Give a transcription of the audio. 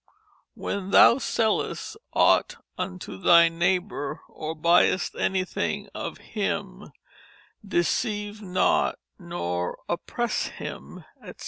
When thou sellest aught unto thy neighbour or byest anything of him deceave not nor oppress him, etc.